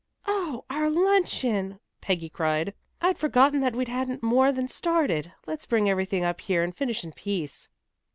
"Oh, our luncheon!" Peggy cried. "I'd forgotten that we hadn't more than started. Let's bring everything up here and finish in peace."